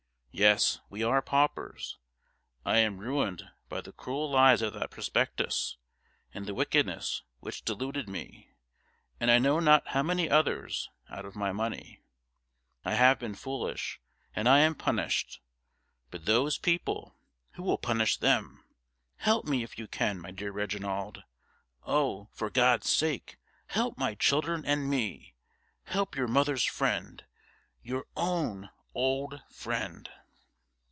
Yes, we are paupers. I am ruined by the cruel lies of that prospectus, and the wickedness which deluded me, and I know not how many others, out of my money. I have been foolish, and am punished; but those people, who will punish them? Help me, if you can, my dear Reginald. Oh! for GOD'S sake, help my children and me. Help your mother's friend, your own old friend.